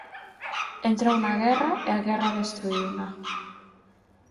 Entrou na guerra e a guerra destruíuna».